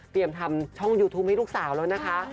ทำช่องยูทูปให้ลูกสาวแล้วนะคะ